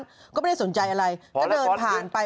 ก็ไม่ได้สนใจอะไรก็เดินผ่านไป